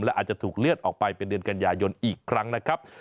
และอาจจะถูกเลื่อนออกไปเป็นเดือนกันยายนอีกครั้งนะครับ